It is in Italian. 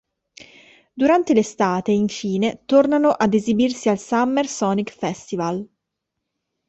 Durante l'estate, infine, tornano ad esibirsi al Summer Sonic Festival.